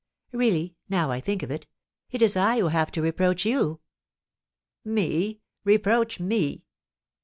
Really, now I think of it, it is I who have to reproach you." "Me? Reproach me?"